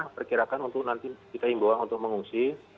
perkirakan untuk nanti kita imbau untuk mengungsi